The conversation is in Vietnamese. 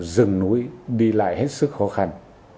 rừng núi đi lại hết sức khó khăn